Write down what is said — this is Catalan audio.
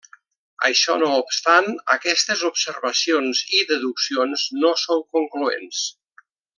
Això no obstant, aquestes observacions i deduccions no són concloents.